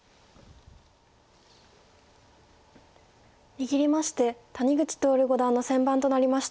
握りまして谷口徹五段の先番となりました。